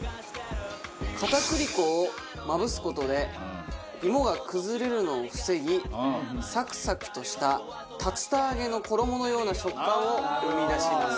片栗粉をまぶす事で芋が崩れるのを防ぎサクサクとした竜田揚げの衣のような食感を生み出します。